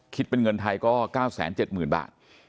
คิดเป็นเงินไทยก็๙๗๐๐๐บาท